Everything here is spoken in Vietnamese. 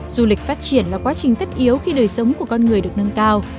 du lịch phát triển là quá trình tất yếu khi đời sống của con người được nâng cao